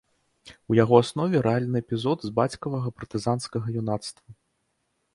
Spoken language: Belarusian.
У яго аснове рэальны эпізод з бацькавага партызанскага юнацтва.